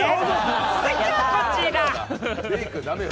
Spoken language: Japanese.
続いてはこちら。